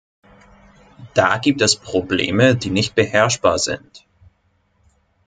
Da gibt es Probleme, die nicht beherrschbar sind.